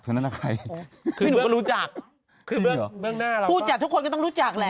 พี่หนุ่มก็รู้จัก